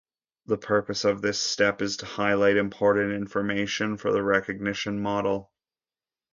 The purpose of this step is to highlight important information for the recognition model.